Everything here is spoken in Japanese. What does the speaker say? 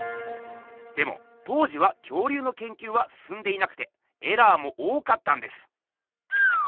でも当時は恐竜のけんきゅうはすすんでいなくてエラーも多かったんです。